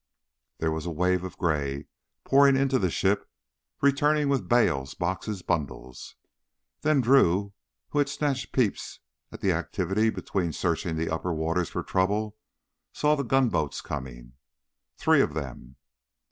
There was a wave of gray pouring into the ship, returning with bales, boxes, bundles. Then Drew, who had snatched peeps at the activity between searching the upper waters for trouble, saw the gunboats coming three of them.